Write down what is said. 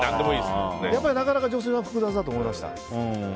なかなか女性は複雑だと思いました。